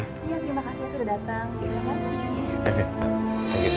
iya terima kasih sudah datang terima kasih